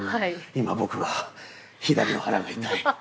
「今僕は左の腹が痛い。